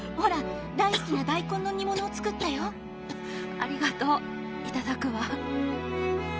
ありがとう頂くわ。